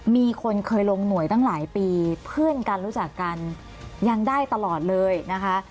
มีคนเคยลงหน่วยตั้งหลายปีเพื่อนกันรู้จักกันยังได้ตลอดเลยนะคะ